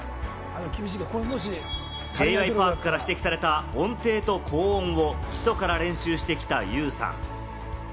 Ｊ．Ｙ．Ｐａｒｋから指摘された音程と高音を基礎から練習してきたユウさん。